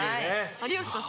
有吉さん